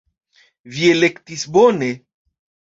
Vi elektis bone!